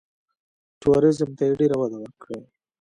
ټوریزم ته یې ډېره وده ورکړې.